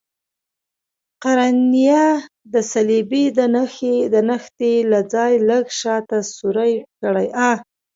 قرنیه د صلبیې د نښتې له ځای لږ شاته سورۍ کړئ.